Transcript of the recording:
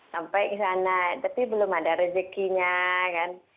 sampai ke sana tapi belum ada rezekinya kan